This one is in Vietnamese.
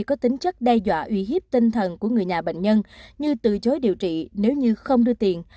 có tính chất đe dọa uy hiếp tinh thần của người nhà bệnh nhân như từ chối điều trị nếu như không đưa tiền